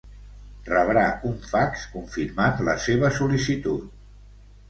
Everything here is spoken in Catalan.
Rebrà un fax confirmant la seva sol·licitud.